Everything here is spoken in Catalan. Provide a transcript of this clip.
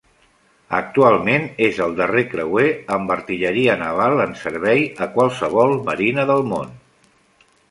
Actualment, és el darrer creuer amb artilleria naval en servei a qualsevol marina del món.